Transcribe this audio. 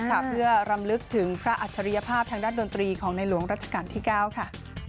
เพื่อรำลึกถึงพระอัจฉริยภาพทางด้านดนตรีของในหลวงรัชกาลที่๙ค่ะ